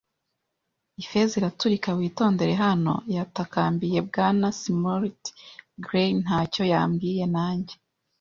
Ifeza iraturika. “Witondere hano!” yatakambiye Bwana Smollett. “Grey ntacyo yambwiye, nanjye